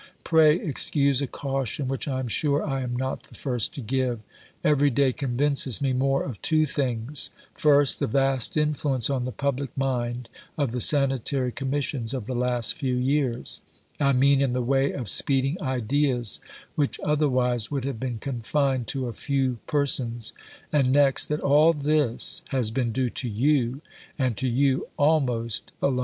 Pray excuse a caution which I am sure I am not the first to give. Every day convinces me more of two things: first, the vast influence on the public mind of the Sanitary Commissions of the last few years I mean in the way of speeding ideas which otherwise would have been confined to a few persons; and next, that all this has been due to you, and to you almost alone.